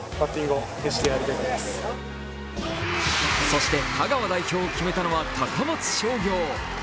そして香川代表を決めたのは高松商業。